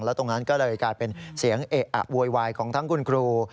ตรงนั้นก็เลยกลายเป็นเสียงเอะอะโวยวายของทั้งคุณครู